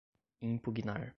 impugnar